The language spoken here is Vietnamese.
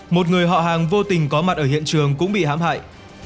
một người họ hàng vô tình có mặt ở hiện trường cũng bị hám hại